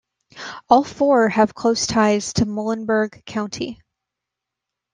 All four have close ties to Muhlenberg County.